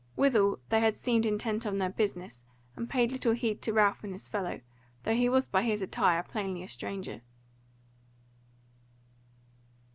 Withal they seemed intent on their business, and payed little heed to Ralph and his fellow, though he was by his attire plainly a stranger.